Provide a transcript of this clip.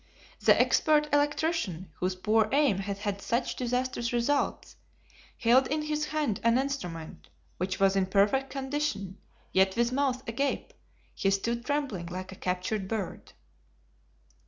The expert electrician, whose poor aim had had such disastrous results, held in his hand an instrument which was in perfect condition, yet with mouth agape, he stood trembling like a captured bird.